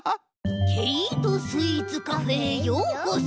ケイートスイーツカフェへようこそ。